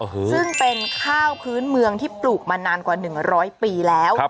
ซึ่งเป็นข้าวพื้นเมืองที่ปลูกมานานกว่า๑๐๐ปีแล้ว